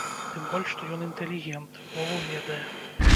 Тым больш, што ён інтэлігент, мову ведае.